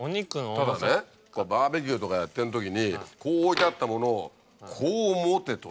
ただねバーベキューとかやってるときにこう置いてあったものをこう持てと？